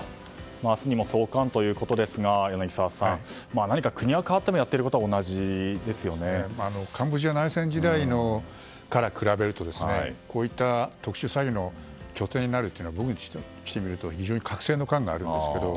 明日にも送還ということですが柳澤さん、国は変わってもやっていることはカンボジア内戦時代から比べると、こういった特殊詐欺の拠点になるというのは僕にしてみると非常に隔世の感があるんですけど。